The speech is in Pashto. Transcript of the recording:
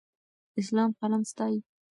اسلام قلم ستایي.